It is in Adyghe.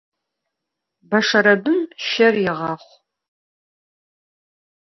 Beşşerebım şer yiğaxhu.